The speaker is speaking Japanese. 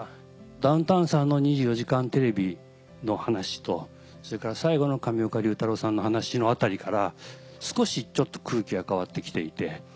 ダウンタウンさんの２４時間テレビの話とそれから最後の上岡龍太郎さんの話のあたりから少し空気が変わってきていて。